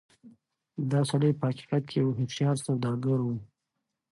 دا سړی په حقيقت کې يو هوښيار سوداګر و.